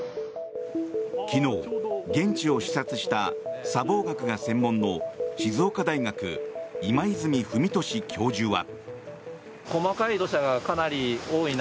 昨日、現地を視察した砂防学が専門の静岡大学、今泉文寿教授は。